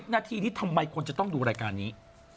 นาทีนี้ทำไมคนจะต้องดูรายการนี้